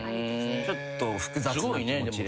ちょっと複雑な気持ちですね。